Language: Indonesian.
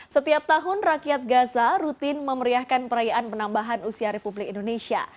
setiap tahun rakyat gaza rutin memeriahkan perayaan penambahan usia republik indonesia